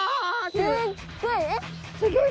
すっごいえ！？